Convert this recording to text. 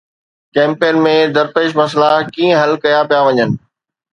ڪئمپن ۾ درپيش مسئلا ڪيئن حل ڪيا پيا وڃن؟